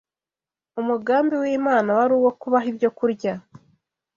Umugambi w’Imana wari uwo kubaha ibyokurya